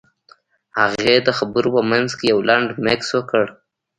هغې د خبرو په منځ کې يو لنډ مکث وکړ.